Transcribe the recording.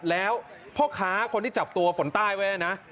แล้วพ่อค้าคนที่จับตัวฝนใต้ไว้นะ